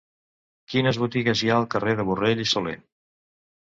Quines botigues hi ha al carrer de Borrell i Soler?